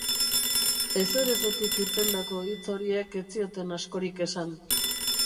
Ezerezetik irtendako hitz horiek ez zioten askorik esan.